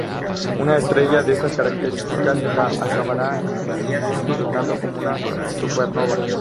Una estrella de estas características acabará sus días explotando como una supernova.